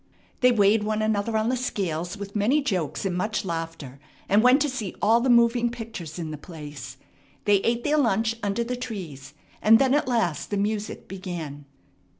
They weighed one another on the scales with many jokes and much laughter, and went to see all the moving pictures in the place. They ate their lunch under the trees, and then at last the music began.